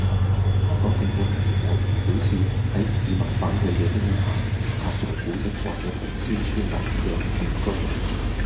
香港政府近年有唔少次喺市民反對嘅聲音下，拆除古蹟或者迫遷村落嘅原居民